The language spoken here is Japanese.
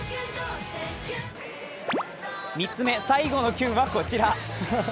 ３つ目、最後のキュンはこちら。